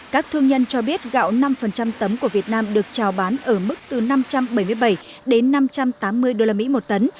các thương nhân cho biết gạo năm tấm của việt nam được trào bán ở mức từ năm trăm bảy mươi bảy đến năm trăm tám mươi usd một tấn